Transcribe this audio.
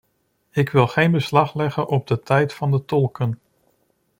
Ik wil geen beslag leggen op de tijd van de tolken.